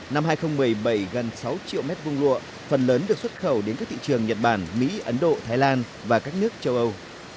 năm hai nghìn một mươi bảy gần sáu triệu m hai lụa phần lớn được xuất khẩu đến các thị trường nhật bản mỹ ấn độ thái lan và các nước châu âu